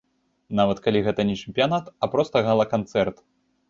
Нават калі гэта не чэмпіянат, а проста гала-канцэрт.